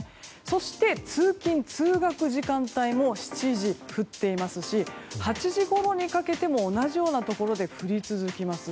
そして、通勤・通学時間帯の７時も降っていますし８時ごろにかけても同じようなところで降り続きます。